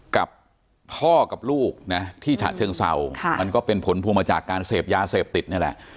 กับพ่อกับลูกนะที่ฉะเชิงเศร้ามันก็เป็นผลพวงมาจากการเสพยาเสพติดนี่แหละ